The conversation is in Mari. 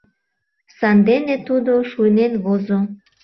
Сандене тудо шуйнен возо...